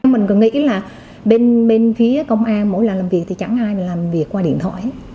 mình còn nghĩ là bên phía công an mỗi lần làm việc thì chẳng ai mình làm việc qua điện thoại